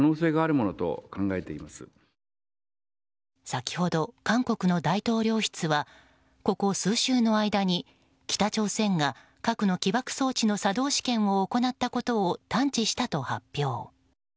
先ほど、韓国の大統領室はここ数週の間に、北朝鮮が核の起爆装置の作動試験を行ったことを探知したと発表。